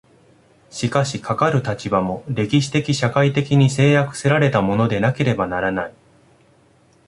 しかしかかる立場も、歴史的社会的に制約せられたものでなければならない。